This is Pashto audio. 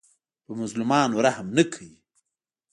په مظلومانو رحم نه کوي.